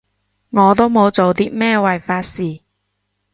我都冇做啲咩違法事